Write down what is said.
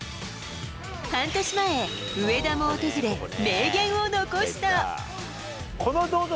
半年前、上田も訪れ、名言を残しこの銅像